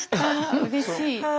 うれしい。